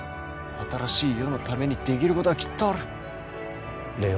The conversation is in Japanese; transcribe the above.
新しい世のためにできることはきっとある。